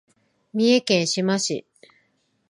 三重県志摩市